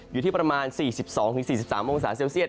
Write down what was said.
อยู่ที่ประมาณ๔๒๔๓องศาเซลเซียต